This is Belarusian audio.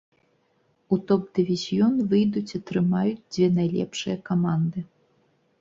У топ-дывізіён выйдуць атрымаюць дзве найлепшыя каманды.